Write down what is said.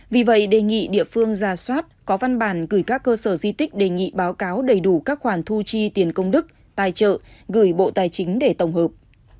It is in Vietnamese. vì vậy đề nghị địa phương ra soát có văn bản gửi các cơ sở di tích đề nghị báo cáo đầy đủ các khoản thu chi tiền công đức tài trợ gửi bộ tài chính để tổng hợp